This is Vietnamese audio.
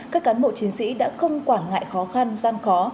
các cán bộ chiến sĩ đã không quản ngại khó khăn gian khó